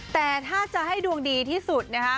แต่ถ้าจะให้ดวงดีที่สุดนะคะ